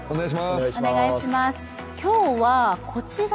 今日は、こちら。